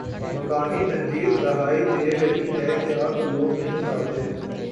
مقامی تنظیم دہائی دے رہی ہے کہ اب لوگ نہیں آتے